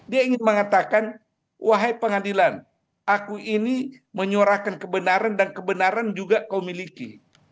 dia ingin mengatakan wahai pengadilan aku ini menyuarakan kebenaran dan kebenaran juga kau miliki